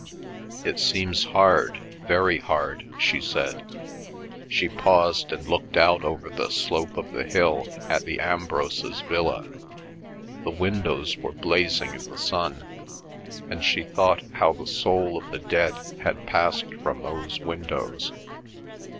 "It seems hard—very hard," she said. She paused and looked out over the slope of the hill at the Ambroses' villa; the windows were blazing in the sun, and she thought how the soul of the dead had passed from those windows.